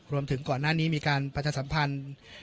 รวมถึงก่อนหน้านี้มีการประชาสัมพันธ์